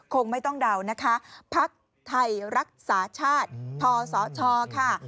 คงไม่ต้องเดานะคะพักไทยรักษาชาติทศชค่ะ